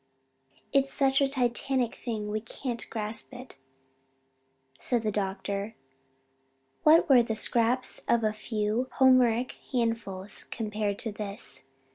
"It's such a titanic thing we can't grasp it," said the doctor. "What were the scraps of a few Homeric handfuls compared to this?